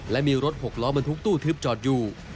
และมีรถหกล้อบรรทุกตู้ทึบจอดอยู่